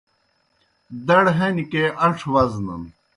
دڑ ہنیْ کے اݩڇھہ گہ وزنَن